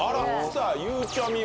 さあゆうちゃみは？